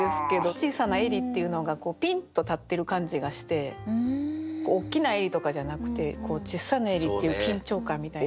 「小さな襟」っていうのがピンッと立ってる感じがして大きな襟とかじゃなくてちっさな襟っていう緊張感みたいな。